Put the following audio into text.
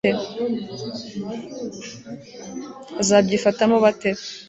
bazabyifatamo bate